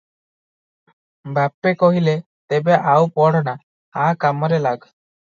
"ବାପେ କହିଲେ, "ତେବେ ଆଉ ପଢ ନା, ଆ କାମରେ ଲାଗ ।"